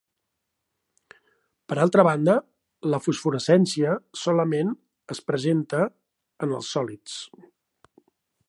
Per altra banda, la fosforescència solament es presenta en els sòlids.